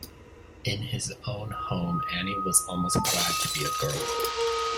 In his own home Annie was almost glad to be a girl.